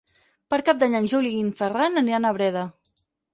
Per Cap d'Any en Juli i en Ferran aniran a Breda.